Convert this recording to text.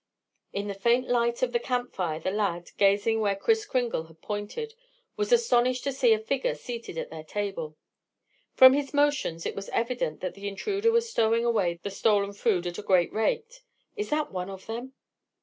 In the faint light of the camp fire the lad, gazing where Kris Kringle had pointed, was astonished to see a figure seated at their table. From his motions it was evident that the intruder was stowing away the stolen fool at a great rate. "Is that one of them?"